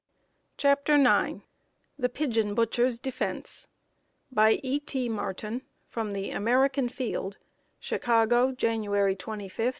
CHAPTER IX The Pigeon Butcher's Defense By E. T. Martin, from the "American Field," Chicago, January 25, 1879.